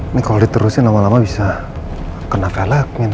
ini kalo diterusin lama lama bisa kena velg nih